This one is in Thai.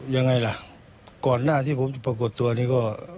ยังไงล่ะก่อนหน้าที่ผมจะปรากฏตัวนี้ก็